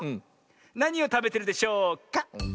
なにをたべてるでしょうか？